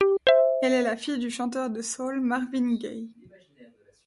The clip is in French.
Elle est la fille du chanteur de soul Marvin Gaye.